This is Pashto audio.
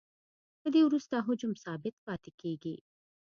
له دې وروسته حجم ثابت پاتې کیږي